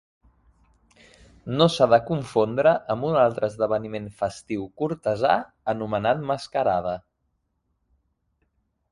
No s'ha de confondre amb un altre esdeveniment festiu cortesà anomenat mascarada.